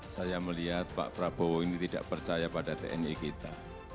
saya melihat pak prabowo ini tidak percaya pada tni kita